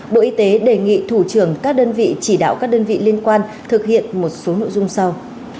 bộ y tế đề nghị thủ trưởng các đơn vị chỉ đạo các đơn vị liên quan thực hiện một số nội dung sau